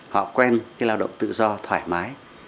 họ quen cái lao động tự do thoải mái